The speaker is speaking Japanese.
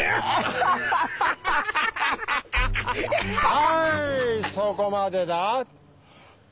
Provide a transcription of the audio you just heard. はいそこまでだ！